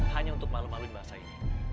hanya untuk malu maluin bahasa ini